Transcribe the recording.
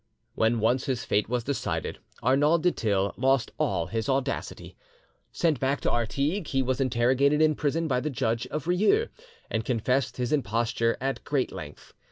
When once his fate was decided, Arnauld du Thill lost all his audacity. Sent back to Artigues, he was interrogated in prison by the judge of Rieux, and confessed his imposture at great length.